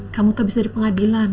kamu tuh habis dari pengadilan